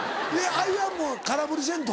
アイアンも空振りせんと？